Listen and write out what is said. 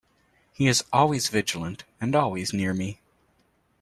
He is always vigilant and always near me.